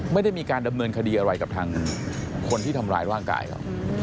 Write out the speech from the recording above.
ไม่ได้มีการดำเนินคดีอะไรกับทางคนที่ทำร้ายร่างกายเขา